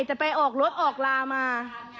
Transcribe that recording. ไปออกรถออกลามา